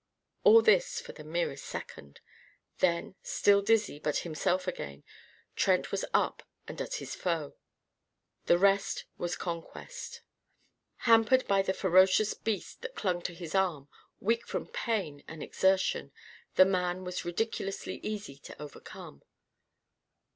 All this for the merest second. Then, still dizzy, but himself again, Trent was up and at his foe. The rest was conquest. Hampered by the ferocious beast that clung to his right arm weak from pain and exertion the man was ridiculously easy to overcome.